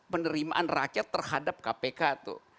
penerimaan rakyat terhadap kpk tuh